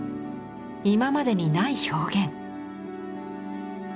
今までにない表現。